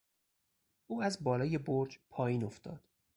او از بالای برج پایین افتاد.